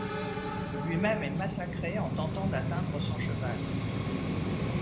Lui-même est massacré en tentant d'atteindre son cheval.